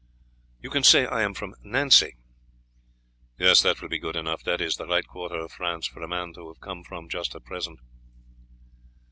"You can say I am from Nancy." "Yes, that will be good enough; that is the right quarter of France for a man to have come from just at present."